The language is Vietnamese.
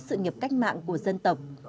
sự nghiệp cách mạng của dân tộc